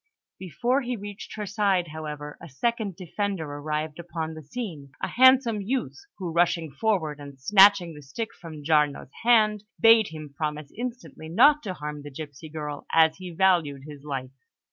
Before he reached her side, however, a second defender arrived upon the scene: a handsome youth, who, rushing forward and snatching the stick from Giarno's hand, bade him promise instantly not to harm the gipsy girl, as he valued his life.